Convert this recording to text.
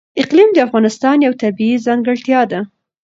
اقلیم د افغانستان یوه طبیعي ځانګړتیا ده.